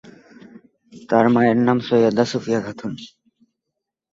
তার মায়ের নাম সৈয়দা সুফিয়া খাতুন।